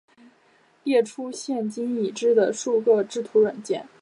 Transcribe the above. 列出现今已知的数个制图软体